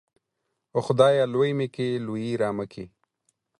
خدايه! لوى مې کې ، لويي رامه کې.